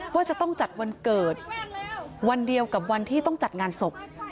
ว่าจะต้องจัดวันเกิดวันเดียวกับวันที่ต้องจัดงานศพ